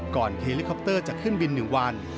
ก่อนเฮลิคอปเตอร์จะขึ้นวินหนึ่งวัน